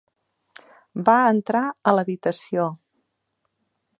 Va entrar a l'habitació.